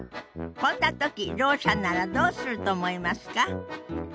こんな時ろう者ならどうすると思いますか？